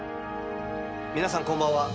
皆さんこんばんは。